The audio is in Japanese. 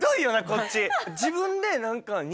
こっち。